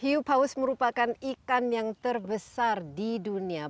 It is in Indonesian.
hiu paus merupakan ikan yang terbesar di dunia